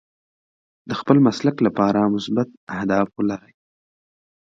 د خپل مسلک لپاره مثبت اهداف ولرئ.